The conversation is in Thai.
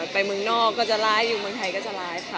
ไปเมืองนอกก็จะร้ายอยู่เมืองไทยก็จะไลฟ์ค่ะ